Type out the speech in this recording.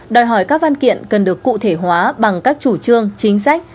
đòi hỏi các văn kiện cần được cụ thể hóa bằng các chủ trương chính sách